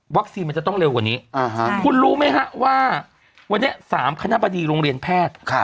มันจะต้องเร็วกว่านี้คุณรู้ไหมฮะว่าวันนี้๓คณะบดีโรงเรียนแพทย์